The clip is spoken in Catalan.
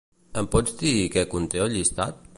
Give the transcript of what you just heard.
Em pots dir què conté el llistat?